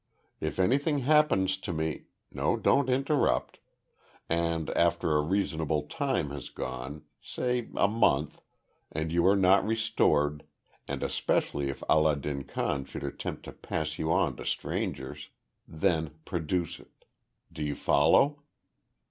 If anything happens to me no, don't interrupt and after a reasonable time has gone, say a month, and you are not restored, and especially if Allah din Khan should attempt to pass you on to strangers then produce it. Do you follow?"